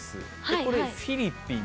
これ、フィリピン。